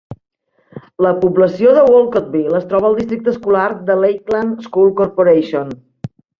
La població de Wolcottville es troba al districte escolar de la Lakeland School Corporation.